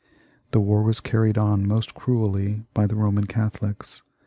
The war was carried on most cruelly by the Eoman Catholics.